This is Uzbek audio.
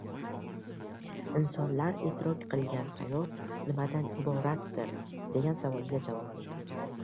«Insonlar idrok qilgan hayot nimadan iboratdir?» degan savolga javob